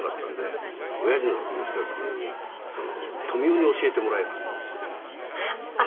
「親父のとこに来た時に“富美男に教えてもらえ”って言うんですよ」